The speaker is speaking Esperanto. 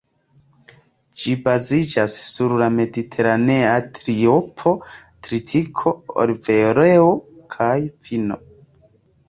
Ĝi baziĝas sur la ""mediteranea triopo"": tritiko, olivoleo kaj vino.